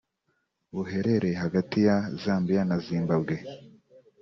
buherereye hagati ya Zambiya na Zimbabwe